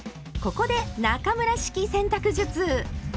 ここで中村式洗濯術！